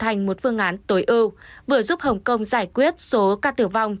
thành một phương án tối ưu vừa giúp hồng kông giải quyết số ca tử vong